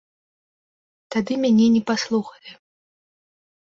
Тады мяне не паслухалі.